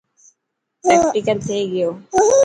پريڪٽيڪل ٿئي گيو.